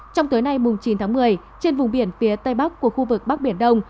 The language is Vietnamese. trong tối nay chín tháng một mươi trên vùng biển phía tây bắc của khu vực bắc biển đông